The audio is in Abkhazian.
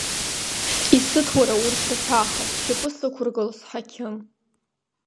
Исыҭ, уара, урҭ рҳәаха, сшьапы сықәыргыл, сҳақьым.